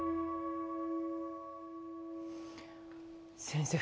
先生